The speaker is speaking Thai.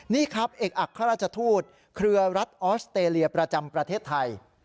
นี่ครับเอกอัครราชทูตเครือรัฐออสเตรเลียประจำประเทศไทย